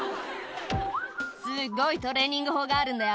すっごいトレーニング法があるんだよ。